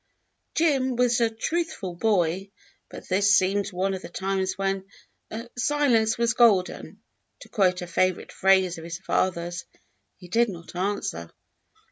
Jim was a truthful boy, but this seemed one of the times when "silence was golden," to quote a favorite phrase of his father's. He did not answer.